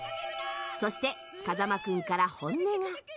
そして風間君から本音が。